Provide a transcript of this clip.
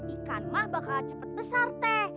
ikan mah bakalan cepet besar teh